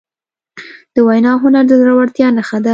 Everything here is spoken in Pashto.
د وینا هنر د زړهورتیا نښه ده.